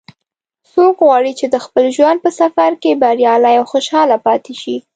څوک غواړي چې د خپل ژوند په سفر کې بریالی او خوشحاله پاتې شي